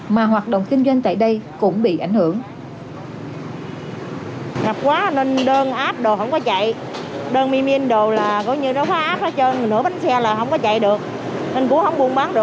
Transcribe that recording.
mà hoạt động kinh doanh tại đây cũng bị ảnh hưởng